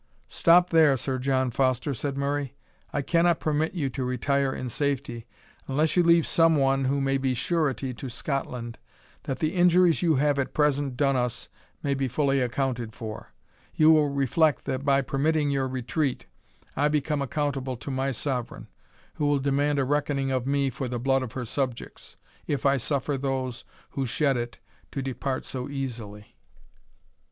"Stop there, Sir John Foster," said Murray; "I cannot permit you to retire in safety, unless you leave some one who may be surety to Scotland, that the injuries you have at present done us may be fully accounted for you will reflect, that by permitting your retreat, I become accountable to my Sovereign, who will demand a reckoning of me for the blood of her subjects, if I suffer those who shed it to depart so easily."